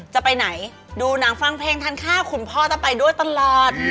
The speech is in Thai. จะไปไหนดูหนังฟังเพลงทานข้าวคุณพ่อต้องไปด้วยตลอด